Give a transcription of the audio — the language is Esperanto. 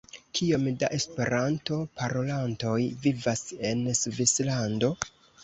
Kiom da esperanto-parolantoj vivas en Svislando?